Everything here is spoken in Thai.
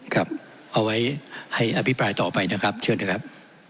ครับเอาไว้ให้อภิปรายต่อไปนะครับเชิญนะครับ